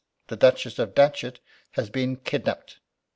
The Duchess of Datchet has been kidnapped.